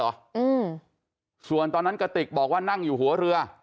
อืมส่วนตอนนั้นกระติกบอกว่านั่งอยู่หัวเรือ